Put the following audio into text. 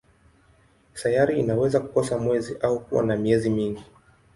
Sayari inaweza kukosa mwezi au kuwa na miezi mingi.